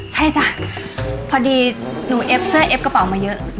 ใช่จ้ะพอดีหนูเอฟเสื้อเอฟกระเป๋ามาเยอะ